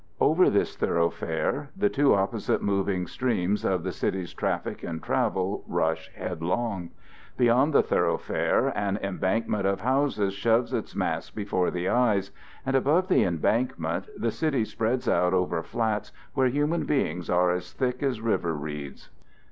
Over this thoroughfare the two opposite moving streams of the city's traffic and travel rush headlong. Beyond the thoroughfare an embankment of houses shoves its mass before the eyes, and beyond the embankment the city spreads out over flats where human beings are as thick as river reeds.